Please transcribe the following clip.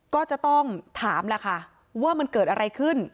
ก็จะต้องถามแหละค่ะว่ามันเกิดอะไรขึ้น